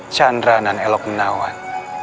chandra nan elok menawan